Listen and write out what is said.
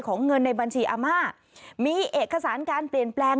เงินในบัญชีอาม่ามีเอกสารการเปลี่ยนแปลง